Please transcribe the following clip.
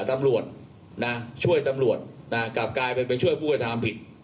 ตำรวจนะช่วยตำรวจกลับกลายเป็นไปช่วยผู้กระทำผิด